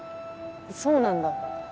そうなんだ